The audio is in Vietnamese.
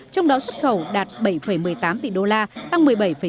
trong đó xuất khẩu đạt bảy một mươi tám tỷ đô la tăng một mươi bảy chín mươi tám